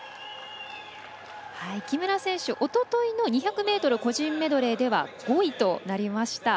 木村選手おとといの個人メドレーでは５位となりました。